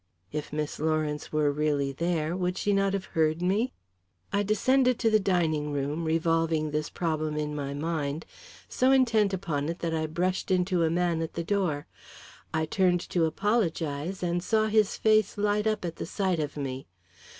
If Miss Lawrence were really there, would she not have heard me? I descended to the dining room, revolving this problem in my mind, so intent upon it that I brushed into a man at the door. I turned to apologise and saw his face light up at sight of me.